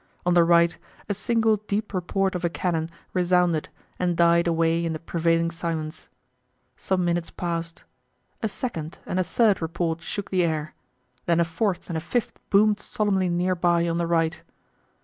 On the right a single deep report of a cannon resounded and died away in the prevailing silence. Some minutes passed. A second and a third report shook the air, then a fourth and a fifth boomed solemnly near by on the right.